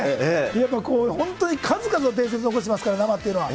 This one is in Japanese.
やっぱこう、本当に数々の伝説を残してますから、生っていうのは。